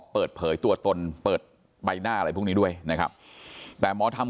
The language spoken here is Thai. เปิดเผยตัวตนเปิดใบหน้าอะไรพวกนี้ด้วยนะครับแต่หมอทำ